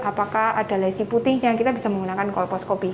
apakah ada lesi putihnya kita bisa menggunakan kolposcopy